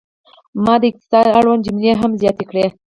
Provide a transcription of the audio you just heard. ما د اقتصاد اړوند جملې هم زیاتې کړې.